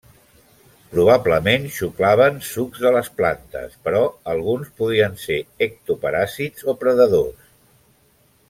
Probablement xuclaven sucs de les plantes però alguns podien ser ectoparàsits o predadors.